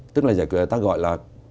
tức là giải quyết là ta gọi là